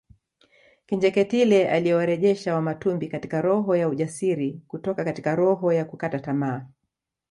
Kinjekitile aliyewarejesha Wamatumbi katika roho ya ujasiri kutoka katika roho ya kukata tamaa